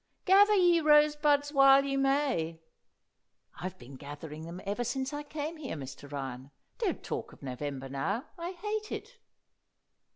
'Gather ye rosebuds while ye may.'" "I've been gathering them ever since I came here, Mr. Ryan. Don't talk of November now; I hate it."